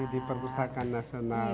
di perpustakaan nasional